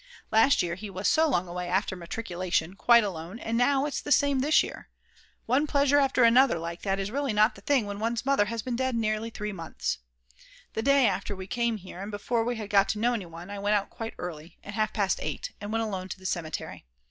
Last year he was so long away after matriculation, quite alone, and now it's the same this year. One pleasure after another like that is really not the thing when one's Mother has been dead only three months. The day after we came here and before we had got to know anyone, I went out quite early, at half past 8, and went alone to the cemetery.